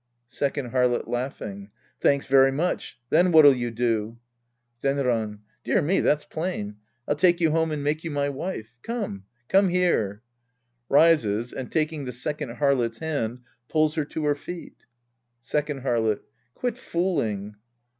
Second Harlot {laughing). Thanks very much. Then what'll you do ? Zenran. Dear me, that's plain. I'll take you home and make you my wife. Come, come here. {Rises and, taking t/ie Second Harlot's hand, pulls her to her feet.) Second Harlot. Quit fooling.